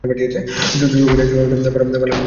চোখের আইরিস হলুদ, পা লাল, ঠোঁট ময়লা হলুদ।